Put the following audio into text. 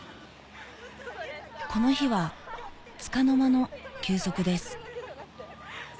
この日はつかの間の休息です